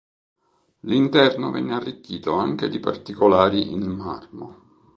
L'interno venne arricchito anche di particolari in marmo.